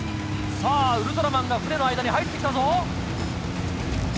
さぁウルトラマンが船の間に入ってきたぞ。